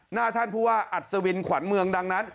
หน้าท่านผู้ว่าอัศวินขวัญเมืองดังนั้น